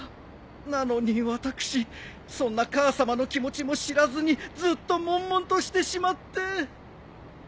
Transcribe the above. なのに私そんな母さまの気持ちも知らずにずっともんもんとしてしまって。